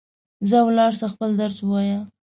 ځه ولاړ سه ، خپل درس ووایه